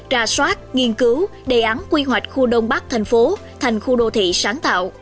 ra soát nghiên cứu đề án quy hoạch khu đông bắc thành phố thành khu đô thị sáng tạo